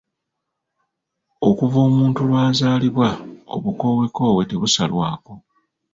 Okuva omuntu lw’azaalibwa obukoowekoowe tebusalwako.